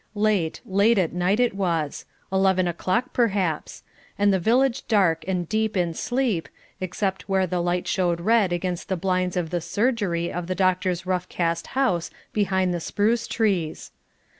Late, late at night it was eleven o'clock, perhaps and the village dark and deep in sleep, except where the light showed red against the blinds of the "Surgery" of the doctor's rough cast house behind the spruce trees.